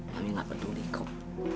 mami tidak peduli kok